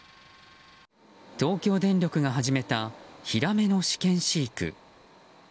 東京電力が始めたヒラメの試験飼育。